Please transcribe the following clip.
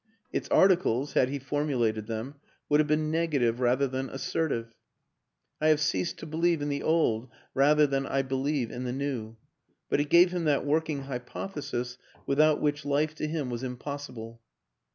Its articles, had he formulated them, would have been negative rather than assertive I have ceased to believe in the old, rather than I believe in the new; but it gave him that working hypothesis without which life to him was impos sible.